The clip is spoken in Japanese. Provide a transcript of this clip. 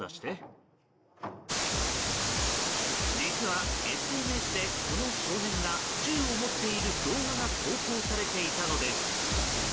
実はＳＮＳで、この少年が銃を持っている動画が投稿されていたのです。